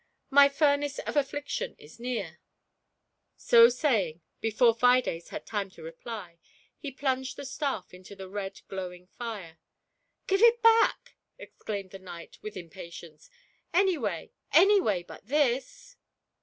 My furnace of Affliction is near." So saying, before Fides had time to reply, he plunged the staff into the red glowing fire. " Give it back !" exclaimed the knight, with im patience; "any way, any way but this."